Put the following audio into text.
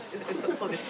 ◆そうです。